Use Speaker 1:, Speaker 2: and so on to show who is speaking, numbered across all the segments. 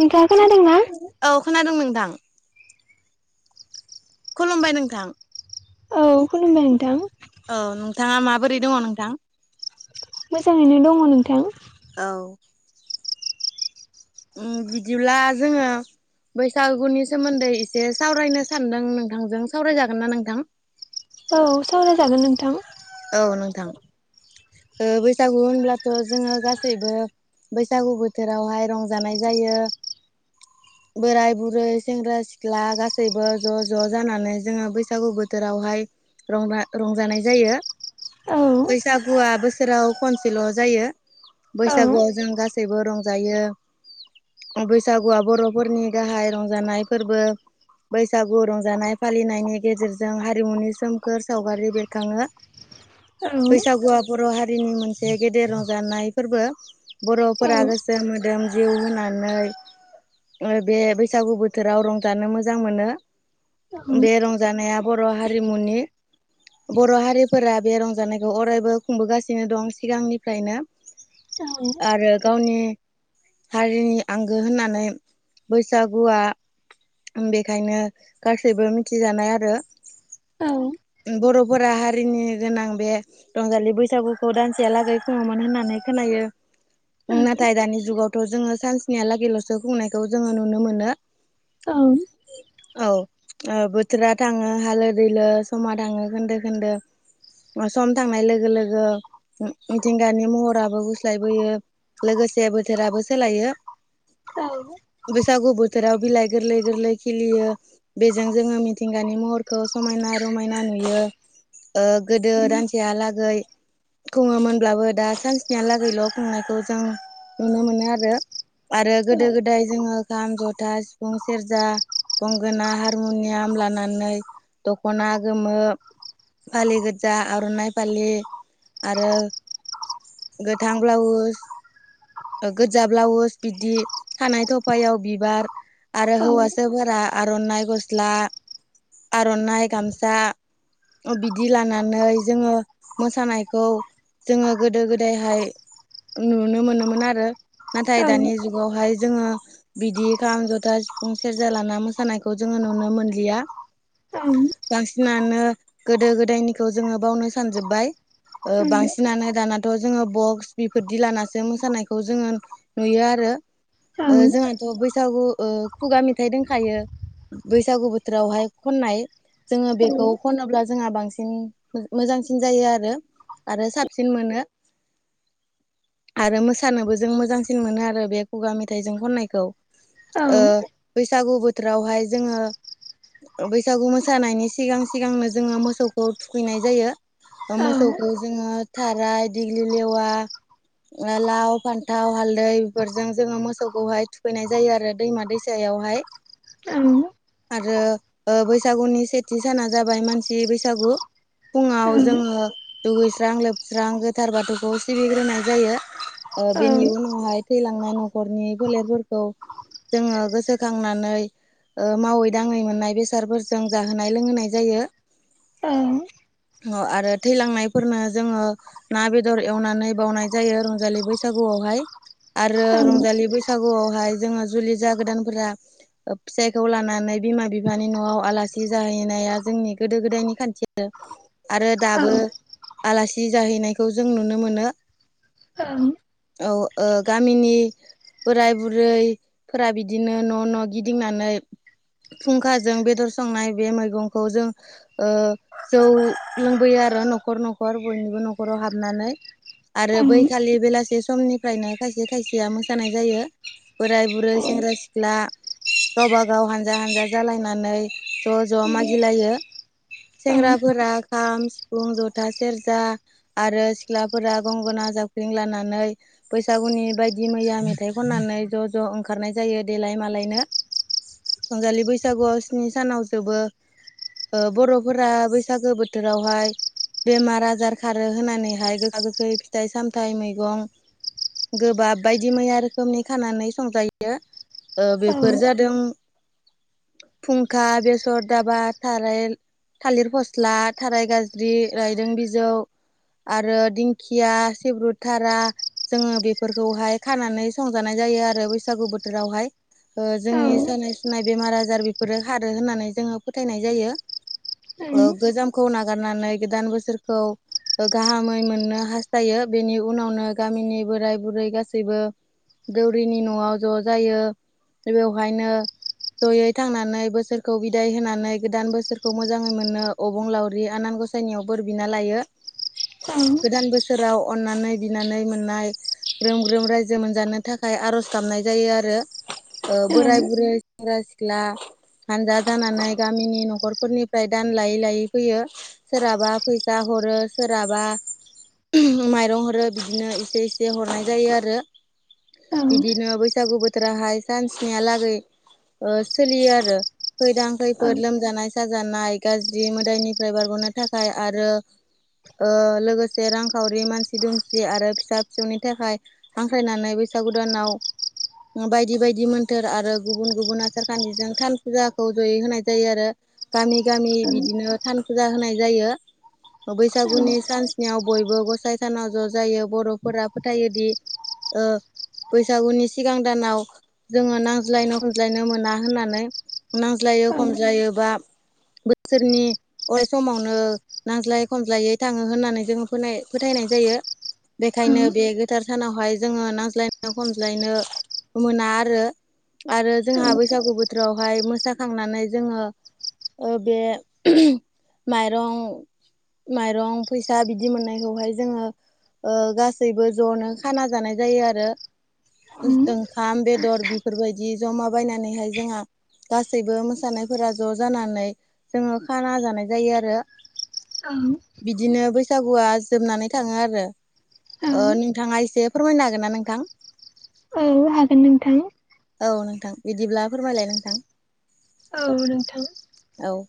Speaker 1: नोंथाङा खोनादोंना
Speaker 2: औ खोनादों नोंथां खुलुमबाय नोंथां
Speaker 1: औ खुलुमबाय नोंथां
Speaker 2: औ नोंथाङा माबोरै दङ नोंथां
Speaker 1: मोजाङैनो दङ नोंथां
Speaker 2: औ ओम बिदिब्ला जोङो बैसागुनि सोमोन्दै एसे सावरायनो सानदों नोंथांजों सावरायजागोन ना नोंथां
Speaker 1: औ सावरायजागोन नोंथां
Speaker 2: औ नोंथां ओ बैसागु होनब्लाथ' जोङो गासैबो बैसागु बोथोरावहाय रंजानाय जायो बोराय बुरै सेंग्रा सिख्ला गासैबो ज' ज' जानानै जोङो बैसागु बोथोरावहाय रंजा रंजानाय जायो
Speaker 1: औ
Speaker 2: बैसा गुआ बोसोराव खनसेल' जायो
Speaker 1: औ
Speaker 2: बैसागुआव जों गासैबो रंजायो बैसागुआ बर'फोरनि गाहाय रंजानाय फोरबो। बैसागु रंजानाय फालिनायनि गेजेरजों हारिमुनि सोमखोर सावगारि बेरखाङो।
Speaker 1: औ
Speaker 2: बैसागुआ बर' हारिनि मोनसे गेदेर रंजानाय फोरबो
Speaker 1: औ
Speaker 2: बर'फोरा गोसो मो दोम जिउ होनानै ओ बे बैसागु बोथोराव रंजानो मोजां मोनो
Speaker 1: औ
Speaker 2: बे रंजानाया बर' हारिमुनि बर' हारिफोरा बे रंजानाय खौ अरायबो खुंबोगासिनो दं सिगांनिफ्रायनो आरो गावनि हारिनि आंगो होननानै बैसागुआ बेखायनो गासैबो मिथिजानाय आरो
Speaker 1: औ
Speaker 2: बर'फोरा हारिनि गोनां बे रंजालि बैसागुखौ दानसेया लागै खुङोमोन होननानै खोनायो नाथाय दानि जुगावथ' जोङो सान्सनिहालागैल'सो खुंनायखौ जोङो नुनो मोनो।
Speaker 1: ओं
Speaker 2: औ बोथोरा थाङो हालो दैलो समा थाङो खोन्दो खोन्दो। सम थांनाय लोगो लोगो मिथिंगानि महराबो गुस्लायबोयो। लोगोसे बोथोराबो सोलायो
Speaker 1: औ
Speaker 2: बैसागु बोथोराव बिलाइ गोरलै गोरलै खिलियो बेजों जोङो मिथिंगानि महरखौ समायना रमायना नुयो ओ गोदो दान सेहालागै खुङोमोनब्लाबो दा सान्सनियालागैल' खुंनायखौ जों नुनो मोनो आरो आरो गोदो गोदाय जोङो खाम, जथा, सिफुं, सेर्जा गंगोना हारमुनियाम लानानै दखना गोमो फालि गोजा आर'नाइ फालि आरो गोथां ब्लाउस गोजा ब्लाउस बिदि खानाय थफायाव बिबार आरो हौवसाफोरा आर'नाइ गस्ला आर'नाइ गामसा बिदि लानानै जोङो मोसानायखौ जोङो गोदो गोदायहाय नुनो मोनोमोन आरो नाथाय दानि जुगावहाय जोङो बिदि खाम जथा सिफुं सेरजा लाना मोसानायखौ जोङो नुनो मोनलिया बांसिनानो गोदो गोदायनिखौ जोङो बावनो सानजोबबाय ओ बांसिनानो दानाथ' जोङो बक्स बेफोरदि लानासो मोसानायखौ जोङो नुयो आरो ओ जोंहाथ' बैसागु ओ खुगा मेथाइ दंखायो बैसागु बोथोरावहाय खननाय जोङो बेखौ खनोब्ला जोंहा बांसिन मोजांसिन जायो आरो आरो साबसिन मोनो आरो मोसानोबो जों मोजांसिन मोनो आरो बे खुगा मेथाइजों खननायखौ ओ बैसागु बोथोरावहाय जोङो बैसागु मोसानायनि सिगां सिगांनो जोङो मोसौखौ थुखैनाय जायो मोसौखौ जोङो थाराइ, दिग्लि लेवा लाव, फान्थाव, हालदै बेफोरजों जोङो मोसौखौहाय थुखैनाय जायो आरो दैमा दै सायावहाय आरो बैसागुनि सेथि साना जाबाय मानसि बैसागु फुङाव जोङो दुगैस्रां लोबस्रां गोथार बाथौखौ सिबिग्रोनाय जायो। बेनि उनावहाय थैलांनाय नखरनि फोलेरफोरखौ जोङो गोसोखांनानै मावै दाङै मोननाय बेसादफोरजों जाहोनाय लोंहोनाय जायो। ओ आरो थैलांनायफोरनो जोङो ना बेदर एवनानै बावनाय जायो रंजालि बैसागुआवहाय आरो रंजालि बैसागुआवहाय जोङो जुलि जागोदानफोरा फिसायखौ लानानै बिमा बिफानि न'आव आलासि जाहैनाया जोंनि गोदो गोदायनि खान्थिय आरो दाबो आलासि जाहैनायखौ जों नुनो मोनो
Speaker 1: औ
Speaker 2: औ ओ गामिनि बोराय बुरैफोरा बिदिनो न' न' गिदिंनानै फुंखाजों बेदर संनाय बे मैगंखौ जों ओ जौ लोंबोयो आरो न'खर न'खर बयनिबो न'खराव हाबनानै आरो बैखालि बेलासे समनि फ्रायनो खायसे खायसेया मोसानाय जायो बोराय बुरै सेंग्रा सिख्ला गावबा गाव हानजा हानजा जालायनानै ज' ज' मागिलायो। सेंग्राफोरा खाम सिफुं जथा सेरजा आरो सिख्लाफोरा गंगोना जाबख्रिंलानानै बैसागुनि बायदि मैया मेथाइ खननानै ज' ज' ओंखारनाय जायो देलाय मालायनो रंजालि बैसागुआव स्नि सानाव जोबो बर' फोरा बैसागो बोथोरावहाय बेमार आजार खारो होनानैहाय गोखा गोखै फिथाइ सामथाइ मैगं गोबाब बायदि मैया रोखोमनि खानानै संजायो ओ बेफोर जादों फुंखा बेसर दाबा थाराय थालिर फस्ला थाराय गाज्रि रायदों बिजौ आरो दिंखिया सिब्रुथारा जोङो बेफोरखौहाय खानानै संजानाय जायो आरो बैसागु बोथोरावहाय जोंनि सानाय सुनाय बेमार आजार बेफोरो खारो होननानै जोङो फोथायनाय जायो। गोजामखौ नागारनानै गोदान बोसोरखौ गाहामै मोननो हास्थायो बेनि उनावनो गामिनि बोराय बुरै गासैबो दौरिनि न'आव ज' जायो बेवहायनो जयै थांनानै बोसोरखौ बिदाय होनानै गोदान बोसोर खौ मोजाङै मोनो अबं लावउरि आनान गसायनियाव बोर बिना लायो
Speaker 1: औ
Speaker 2: गोदान बोसोराव अननानै बिनानै मोननाय ग्रोम ग्रोम रायजो मोनजानो थाखाय आर'ज गाबनाय जायो आरो बोराय बुरै सेंग्रा सिख्ला हानजा जानानै गामिनि न'खर फोरनिफ्राय दान लायै लायै फैयो सोरहाबा फैसा हरो सोरहाबा माइरं हरो बिदिनो एसे एसे हरनाय जायो आरो बिदिनो बैसागु बोथ बोथोराहाय सान्सिहालागै सोलियो आरो खैदां खैफोद लोमजानाय साजानाय गाज्रि मोदायनिफ्राय बारग'नो थाखाय आरो लोगोसे रांखावरि मानसि दुमसि आरो फिसा फिसौनि थाखाय हांख्रायनानै बैसागु दानाव बायदि बायदि मोन्थोर आरो गुबुन गुबुन आसारखान्थिजों थान फुजाखौ जयै होनाय जायो आरो गामि गामि बिदिनो थान फुजा होनाय जायो बैसागुनि सान्सिनियाव बयबो गसाइ सानाव ज' जायो बर'फोरा फोथायोदि ओ बैसागुनि सिगां दानाव जोङो नांज्लायनो खमज्लायनो मोना होननानै नांज्लायो
Speaker 1: औ औ औ
Speaker 2: खमज्लायोबा बोसोरनि अराय समावनो नांज्लायै खमज्लायै थाङो होननानै जोङो फोथायनाय जायो
Speaker 1: औ
Speaker 2: बेखायनो बे गोथार सानावहाय जोङो नांज्लायनो खमज्लायनो मोना आरो आरो जोंहा बैसागु बोथोरावहाय मोसाखांनानै जोङो बे माइरं माइरं फैसा बिदि मोननायखौहाय जोङो गासैबो ज'नो खाना जानाय जायो आरो ओंखाम बेदर बेफोरबायदि जमा बायनानैहाय जोंहा गासैबो मोसानायफोरा ज' जानानै जोङो खाना जानाय जायो आरो
Speaker 1: औ
Speaker 2: बिदिनो बैसागुआ जोबनानै थाङो आरो
Speaker 1: औ
Speaker 2: नोंथाङा एसे फोरमायनो हागोन ना नोंथां
Speaker 1: औ हागोन नोंथां
Speaker 2: औ नोंथां बिदिब्ला फोरमायलाय नोंथां
Speaker 1: औ नोंथां
Speaker 2: औ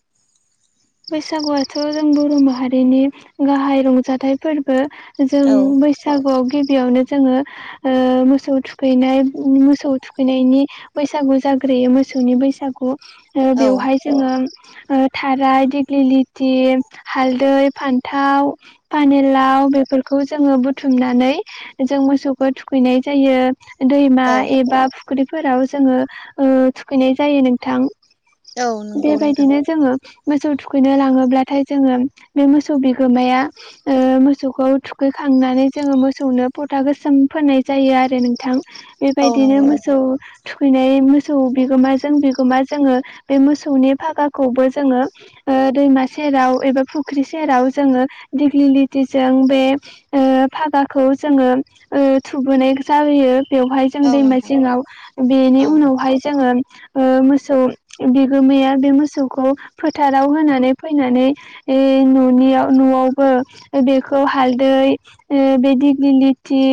Speaker 1: बैसागुआथ' जों बर' माहारिनि गाहाय रंजाथाइ फोरबो जों
Speaker 2: औ
Speaker 1: बैस बसागुआव गिबियावनो जोङो मोसौ थुखैनाय मोसौ थुखैनायनि बैसागु जाग्रोयो मोसौनि बैसागो ओ
Speaker 2: औ
Speaker 1: बेवहाय जोङो थाराइ दिग ग्लिथि हालदै फान्थाव पानिलाव बेफोरखौ जोङो बुथुमनानै जों मोसौखौ थुखैनाय जायो दैमा
Speaker 2: औ
Speaker 1: एबा फुख्रिफोराव जोङो थुखैनाय जायो नोंथां
Speaker 2: औ नंगौ नोंथां
Speaker 1: बेबायदिनो जोङो मोसौ थु थुखैनो लाङोब्लाथाय जोङो बे मोसौ बिगोमाया मोसौखौ थुखैखांनानै जोङो मोसौनो फथा गोसोम फोनाय जायो आरो नोंथां
Speaker 2: औ
Speaker 1: बेबायदिनो
Speaker 2: नंगौ नोंथां
Speaker 1: मोसौ थुखैनाय मोसौ बिगोमाजों बिगोमा जोङो बे मोसौनि फागाखौबो जोङो दैमा सेराव एबा फुख्रि सेराव जोङो दिग्लिथिजों बे फागाखौ जोङो थुबोनाय जाबोयो बेवहाय जों
Speaker 2: औ
Speaker 1: दैमा
Speaker 2: नोंथां
Speaker 1: सिङाव बेनि
Speaker 2: औ
Speaker 1: उनावहाय जोङो मोसौ बिगोमाया बे मोसौखौ फोथाराव होनानै फैनानै ए न'नियाव न'आवबो बेखौ हालदै ऐ बेदि दिगिलिथि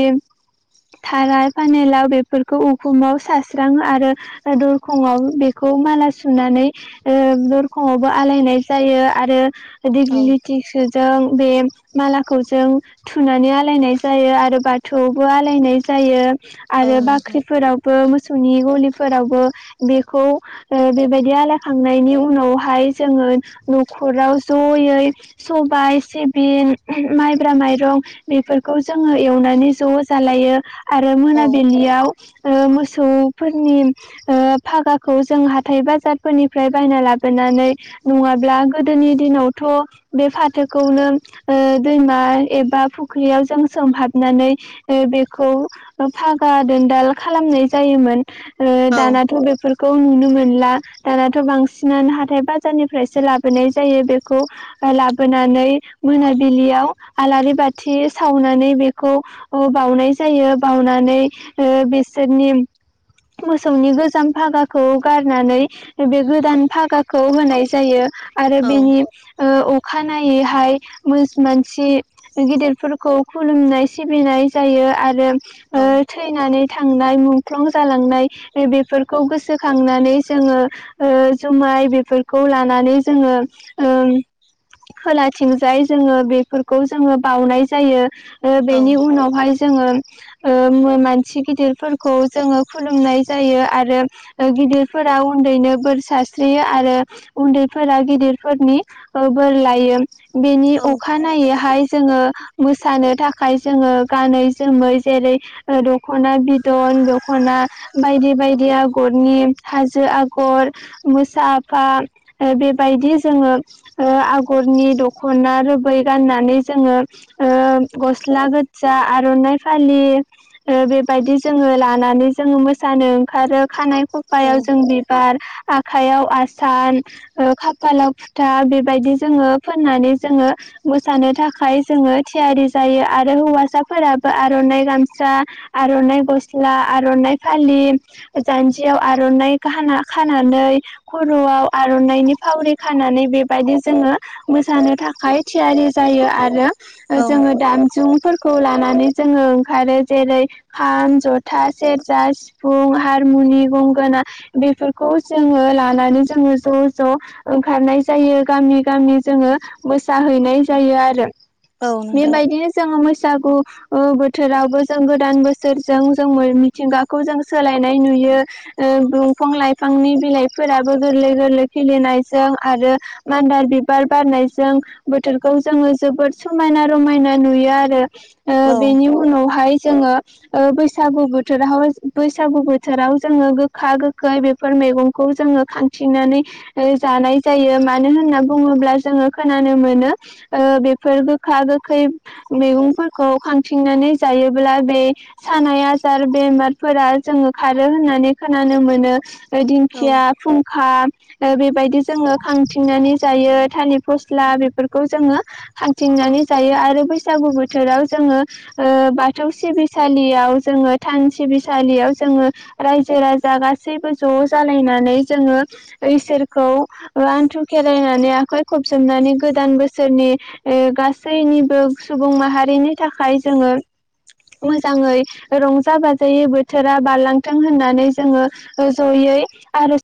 Speaker 1: थाराय फानिलाव बेफोरखौ उखुमाव सारस्राङो आरो दरखंआव बेखौ माला सुनानै ओ दरखंआव आलायनाय जायो आरो
Speaker 2: औ
Speaker 1: दिगिलिथि सुजों बे मालाखौ जों थुनानै आलायनाय जायो आरो बाथौआवबो आलायनाय जायो
Speaker 2: औ
Speaker 1: आरो
Speaker 2: नोंथां
Speaker 1: बाख्रिफोराव बो मोसौनि गलिफोरावबो बेखौ ओ बेबायदि आलायखांनायनि उनावहाय जोङो न'खराव जयै सबाय सिबिं माइब्रा माइरं बेफोरखौ जोङो एवनानै ज' जालायो आरो
Speaker 2: औ
Speaker 1: मोनाबिलियाव ओ मोसौफोरनि फागाखौ जों हाथाइ बाजारफोरनिफ्राय बायना लाबोनानै नङाब्ला गोदोनि दिनावथ' बे फाथोखौनो दैमा एबा फुख्रियाव जों सोमहाबनानै बेखौ फागा दोनदाल खालामनाय जायोमोन।
Speaker 2: औ
Speaker 1: दानाथ' बेफोरखौ नुनो मोनला दानाथ' बांसिनानो हाथाय बाजाराव बाजारनिफ्रायसो लाबोनाय जायो बेखौ। लाबोनानै मोनाबिलियाव आलारि बाथि सावनानै बेखौ अ बाउनाय जायो। बाउनानै बिसोरनि मोसौनि गोजाम फागाखौ गारनानै बे गोदान फागाखौ होनानै नाय जायो आरो
Speaker 2: औ
Speaker 1: बेनि अखानायैहाय मो मानसि गिदिरफोरखौ खुलुमनाय सिबिनाय जायो आरो
Speaker 2: औ।
Speaker 1: ओ थैनानै थांनाय मुंख्लं जालांनाय बेफोरखौ गोसोखांनानै जोङो जुमाय बेफोरखौ लानानै जोङो ओं खोलाथिंजाय जोङो बेफोरखौ जोङो बाउनाय जायो। आरो
Speaker 2: औ
Speaker 1: बेनि उनावहाय जोङो मानसि गिदिरफोरखौ जोङो खुलुमनाय जायो आरो गिदिरफोरा उन्दैनो बोर सारस्रियो आरो उन्दैफोरा गिदिरफोरनि बोर लायो। बेनि
Speaker 2: औ
Speaker 1: अखानायनायैहाय जोङो मोसानो थाखाय जोङो गानै जोमै जेरै दख'ना बिदन दख'ना बायदि बायदि आगरनि हाजो आगर मोसा बा बेबायदि जोङो ओ आगरनि दखना रोबै गाननानै जोङो ओ गस्ला गोजा आर'नाइ फालि- ओ बेबायदि जोङो लानानै जोङो मोसानो ओंखारो खानाय ख-
Speaker 2: औ
Speaker 1: फायाव जों बिबार आखाइयाव सान खाफालाव फुथा बेबायदि जोङो फोननानै जोङो मोसानो थाखाय जोङो थियारि जायो आरो हौवासाफोराबो आर'नाइ गामसा आर'नाइ गस्ला आर'नाइ फालि। जान्जियाव आर'नाइ खानानै खर'आव आर'नाइनि फावरि खानानै बेबायदि जोङो मोसानो थाखाय थियारि जायो आरो
Speaker 2: औ
Speaker 1: जोङो दामजुफोर खौ लानानै जोङो ओंखारो। जेरै खाम, जथा, सेरजा, सिफुं, हारमुनि, गंगोना बेफोरखौ जोङो लानानै जोङो ज' ज' ओंखारनाय जायो गामि गामि जोङो मोसाहैनाय जायो आरो।
Speaker 2: औ नोंथां
Speaker 1: बेबायदिनो जोङो बैसागु बोथोरावबो जों गोदान बोसोरजों जों मिथिंगाखौ जों सोलायनाय नुयो। दंफां लाइफांनि बिलाइफोराबो गोरलै गोरलै खिलिनायजों आरो मान्दार बिबार बारनायजों बोथोरखौ जोङो जोबोद समायना रमायना नुयो आरो। ओ
Speaker 2: औ
Speaker 1: बेनि उनावहाय जोङो बैसागु बोथोराव बैसागु बोथोराव जोङो गोखा गोखै बेफोर मैगं खौ जोङो खांथिनानै जानाय जायो मानो होनना बुङोब्ला जोङो खोनानो मोनो ओ बेफोर गोखा गोखै मैगंफोरखौ खांथिंनानै जायोब्ला बे सानाय आजार बेमारफोरा जोङो खारो होननानै खोनानो मोनोदि
Speaker 2: औ
Speaker 1: दिंखिया फुंखा ओ बेबायदि जोङो खांथिंनानै जायो थालिर फस्ला बेफोरखौ जोङो फान्थिंनानै जायो आरो बैसागु बोथोराव जोङो ओ बाथौ सिबिसालियाव जोङो थान सिबिसालियाव जोङो रायजो राजा गासैबो ज' जालायनानै जोङो इसोरखौ आन्थु खेरायनानै आखाइ खबजोबनानै गोदान बोसोरनि गासैनिबो सुबुं माहारिनि थाखाय जोङो मोजाङै रंजा बाजायै बोथोरा बारलांथों होननानै जोङो जयै आर'ज